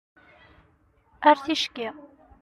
Ar ticki!